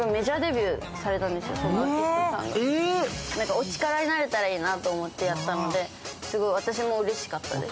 お力になれたらいいなと思ってやったので、私もうれしかったです。